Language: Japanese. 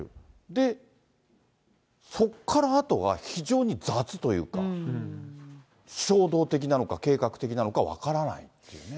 で、そこからあとは非常に雑というか、衝動的なのか、計画的なのか分からないっていうね。